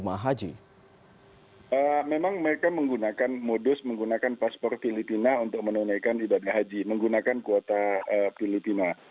memang mereka menggunakan modus menggunakan paspor filipina untuk menunaikan ibadah haji menggunakan kuota filipina